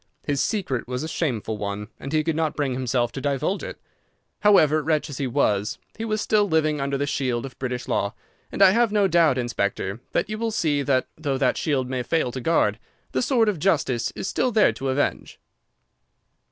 His secret was a shameful one, and he could not bring himself to divulge it. However, wretch as he was, he was still living under the shield of British law, and I have no doubt, Inspector, that you will see that, though that shield may fail to guard, the sword of justice is still there to avenge."